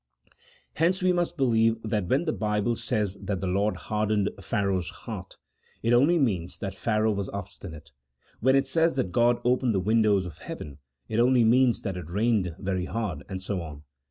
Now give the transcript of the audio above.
Hence we must believe that when the Bible says that the Lord hardened Pharaoh's heart, it only means that Pharaoh was obstinate ; when it says that God opened the windows of heaven, it only means that it rained very hard, and so on.